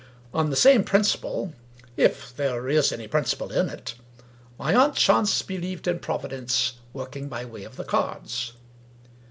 On the same principle (if there is any principle in it) my aunt Chance believed in Providence working by way of the cards.